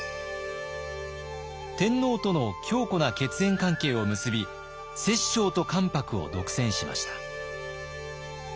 天皇との強固な血縁関係を結び摂政と関白を独占しました。